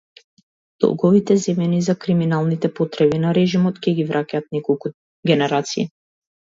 Долговите земени за криминалните потреби на режимот ќе ги враќаат неколку генерации.